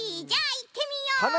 じゃあいってみよう！